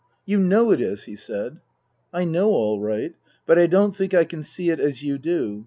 " You know it is," he said. " I know all right. But I don't think I can see it as you do.